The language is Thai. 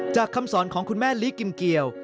คำสอนของคุณแม่ลิกิมเกียว